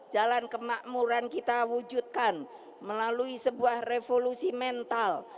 jalan kemakmuran kita wujudkan melalui sebuah revolusi mental